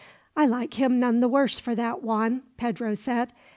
"I like him none the worse for that, Juan," Pedro said.